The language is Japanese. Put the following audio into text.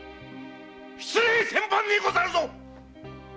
失礼千万でござるぞ‼